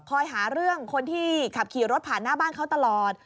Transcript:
หาเรื่องคนที่ขับขี่รถผ่านหน้าบ้านเขาตลอด